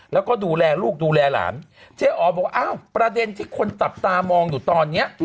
แล้วก็ดูแลลูกดูแลหลานเจ๊อ๋อบอกว่าอ้าวประเด็นที่คนจับตามองอยู่ตอนนี้